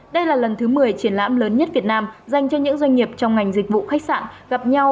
đây là lần thứ một mươi triển lãm lớn nhất việt nam dành cho những doanh nghiệp trong ngành dịch vụ khách sạn gặp nhau